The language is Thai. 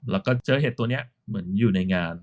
แล้วก็เจอเห็ดตัวนี้เหมือนอยู่ในงาน